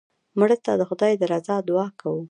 مړه ته د خدای د رضا دعا کوو